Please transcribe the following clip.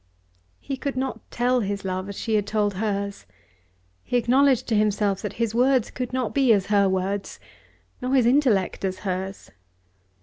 He could not tell his love as she had told hers! He acknowledged to himself that his words could not be as her words, nor his intellect as hers.